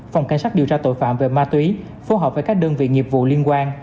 phòng cảnh sát điều tra tội phạm về ma túy phối hợp với các đơn vị nghiệp vụ liên quan